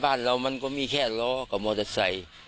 บ้านเรามันก็มีแค่ล้อกับมอเตอร์ไซค์